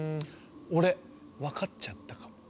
俺分かっちゃったかも。